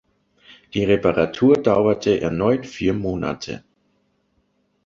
Die Reparatur dauerte erneut vier Monate.